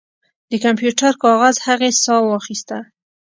د کمپیوټر کاغذ هغې ساه واخیسته